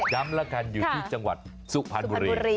ละกันอยู่ที่จังหวัดสุพรรณบุรี